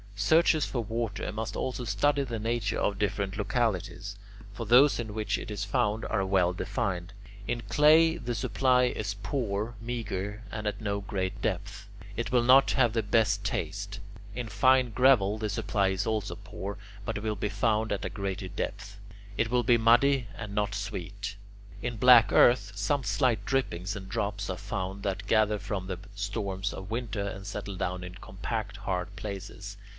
Searchers for water must also study the nature of different localities; for those in which it is found are well defined. In clay the supply is poor, meagre, and at no great depth. It will not have the best taste. In fine gravel the supply is also poor, but it will be found at a greater depth. It will be muddy and not sweet. In black earth some slight drippings and drops are found that gather from the storms of winter and settle down in compact, hard places.